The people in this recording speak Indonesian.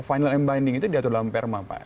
final and binding itu diatur dalam perma pak